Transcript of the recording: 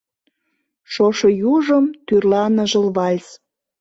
Шошо южым тӱрла ныжыл вальс.